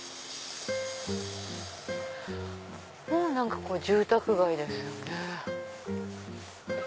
ここは住宅街ですよね。